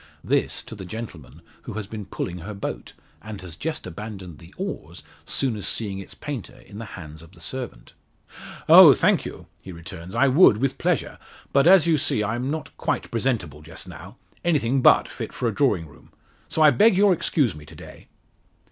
This to the gentleman who has been pulling her boat, and has just abandoned the oars soon as seeing its painter in the hands of the servant. "Oh, thank you!" he returns. "I would, with pleasure; but, as you see, I'm not quite presentable just now anything but fit for a drawing room. So I beg you'll excuse me to day."